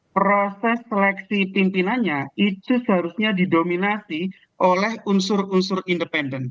proses seleksi pimpinannya itu seharusnya didominasi oleh unsur unsur independen